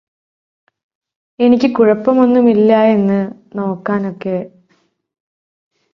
എനിക്ക് കുഴപ്പമൊന്നുമില്ലായെന്ന് നോക്കാൻ ഓക്കേ